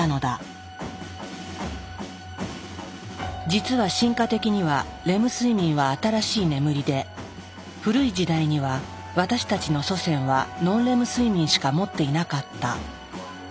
実は進化的にはレム睡眠は新しい眠りで古い時代には私たちの祖先はノンレム睡眠しか持っていなかった。